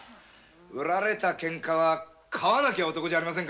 売られたケンカは買わなきゃ男じゃないからね。